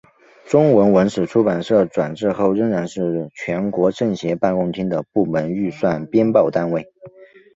中国文史出版社转制后仍然是全国政协办公厅的部门预算编报单位。